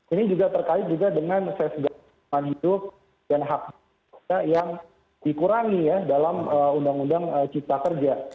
ini juga terkait juga dengan sesgapan hidup dan hak yang dikurangi ya dalam undang undang cipta kerja